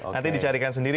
nanti dicarikan sendiri